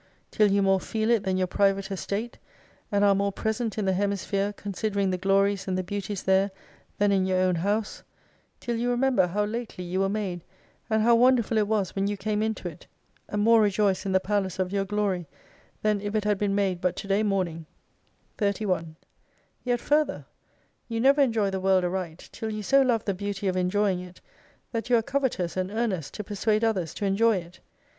Till you more feel it than your private estate, and are more present in the hemi sphere, considering the glories and the beauties there, than in your own house : Till you remember how lately you were made, and how wonderful it was when you came into it : and more rejoice in the palace of your glory, than if it had been made but to day morning. 31 Yet further, you never enjoy the world aright, tUl you so love the beauty of enjoying it, that you are covetous and earnest to persuade others to enjoy it.